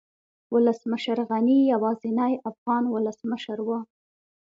ولسمشر غني يوازينی افغان ولسمشر و